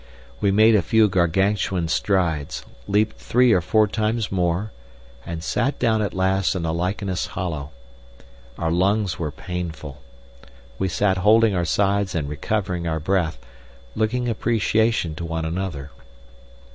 We made a few gargantuan strides, leapt three or four times more, and sat down at last in a lichenous hollow. Our lungs were painful. We sat holding our sides and recovering our breath, looking appreciation to one another.